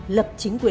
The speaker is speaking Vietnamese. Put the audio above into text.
lập chính phủ